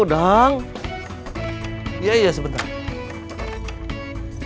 tidak ada alasan lebih bagus